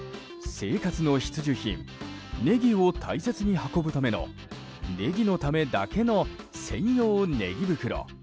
生活の必需品ネギを大切に運ぶためのネギのためだけの専用ねぎ袋。